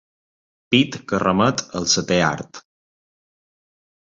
Pit que remet al setè art.